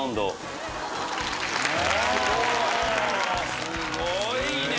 すごいね。